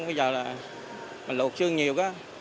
bây giờ là mình luộc xương nhiều